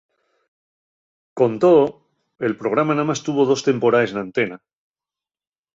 Con too, el programa namás tuvo dos temporaes n'antena.